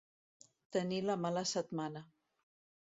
Tenir la mala setmana.